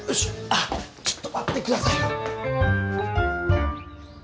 あっちょっと待って下さいよ。